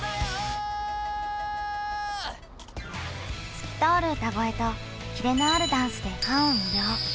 透き通る歌声とキレのあるダンスでファンを魅了。